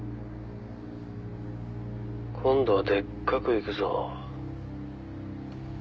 「今度はでっかくいくぞ」